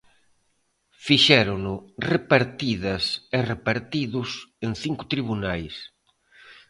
Fixérono repartidas e repartidos en cinco tribunais.